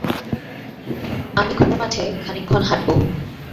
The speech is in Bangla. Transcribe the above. আমি খোলা মাঠে খানিকক্ষণ হাঁটব।